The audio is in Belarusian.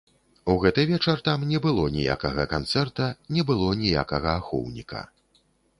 У гэты вечар там не было ніякага канцэрта, не было ніякага ахоўніка.